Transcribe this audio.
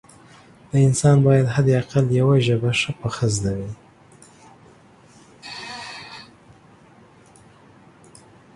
د انسان باید حد اقل یوه ژبه ښه پخه زده وي